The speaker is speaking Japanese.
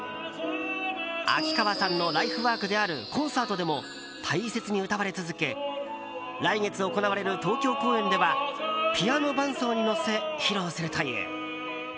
秋川さんのライフワークであるコンサートでも大切に歌われ続け来月行われる東京公演ではピアノ伴奏に乗せ披露するという。